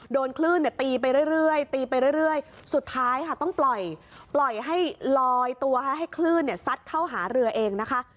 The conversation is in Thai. โดนคลื่นตีไปเรื่อยตีไปเรื่อยสุดท้ายค่ะต้องปล่อยให้ลอยตัวให้คลื่นซัดเข้าหาเรือเองนะคะ